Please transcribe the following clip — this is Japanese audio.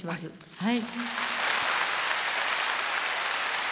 はい。